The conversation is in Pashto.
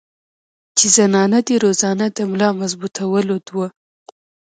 چې زنانه دې روزانه د ملا مضبوطولو دوه